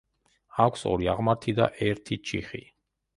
აქვს ორი აღმართი და ერთი ჩიხი.